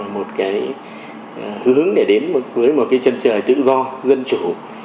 một cái hướng để đến với một cái chân trời tự do dân chủ